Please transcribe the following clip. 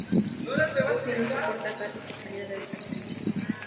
Buffy no soporta a Kathie, su compañera de habitación.